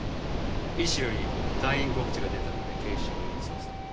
医師より退院告知が出たので警視庁へ移送する。